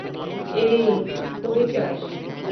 এই কই যাস?